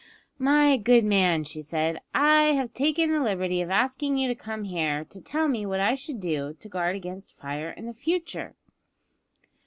"My good man," she said, "I have taken the liberty of asking you to come here to tell me what I should do to guard against fire in future."